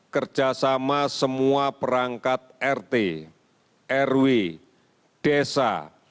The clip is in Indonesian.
kerjasama semua perangkat rt rw desa